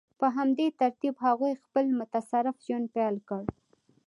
په همدې ترتیب هغوی خپل متصرف ژوند پیل کړ.